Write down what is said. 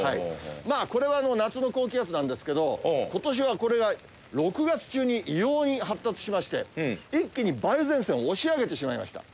まあこれは夏の高気圧なんですけど今年はこれが６月中に異様に発達しまして一気に梅雨前線を押し上げてしまいました。